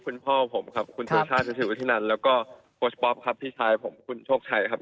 คุณพ่อผมครับคุณที่นั่นแล้วก็ครับพี่ชายผมคุณชกชัยครับ